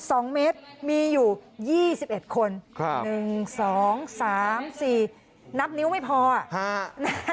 สองเมตรมีอยู่ยี่สิบเอ็ดคนครับหนึ่งสองสามสี่นับนิ้วไม่พออ่ะฮะนะฮะ